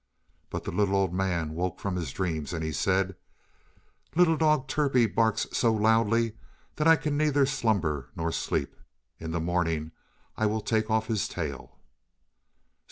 But the little old man woke from his dreams, and he said: "Little dog Turpie barks so loudly that I can neither slumber nor sleep. In the morning I will take off his tail."